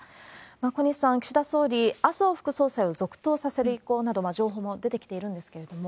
小西さん、岸田総理、麻生副総裁を続投させる意向など、情報も出てきているんですけれども。